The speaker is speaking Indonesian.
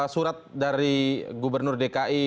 surat dari gubernur dki